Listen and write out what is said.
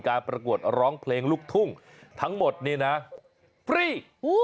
ประกวดร้องเพลงลูกทุ่งทั้งหมดนี่นะฟรี